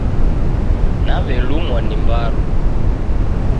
Naw'elumwa ni mbaru.